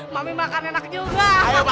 mami makan enak juga